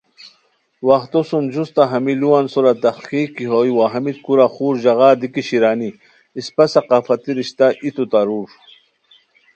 وختو سُم جوستہ ہمی لوُوان سورا تحقیق کی ہوئے وا ہمیت کورا خور ژاغا دی کی شیرانی اِسپہ ثقافتی رشتہ ایتو تارور